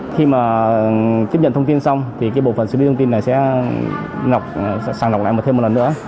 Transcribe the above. khi mà tiếp nhận thông tin xong thì cái bộ phận xử lý thông tin này sẽ sàng lọc lại một thêm một lần nữa